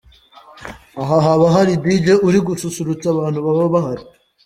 Aho haba hari Dj uri gususurutsa abantu baba bahari.